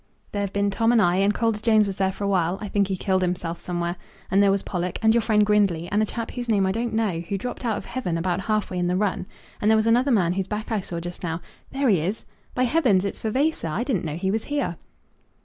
"There've been Tom and I; and Calder Jones was there for a while. I think he killed himself somewhere. And there was Pollock, and your friend Grindley, and a chap whose name I don't know who dropped out of heaven about half way in the run; and there was another man whose back I saw just now; there he is, by heavens, it's Vavasor! I didn't know he was here."